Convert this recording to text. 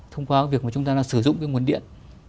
thông qua cái việc mà chúng ta đang sử dụng cái nguồn điện